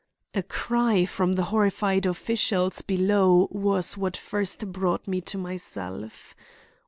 A cry from the horrified officials below was what first brought me to myself.